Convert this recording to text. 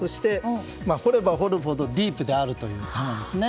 掘れば掘るほどディープであるということですね。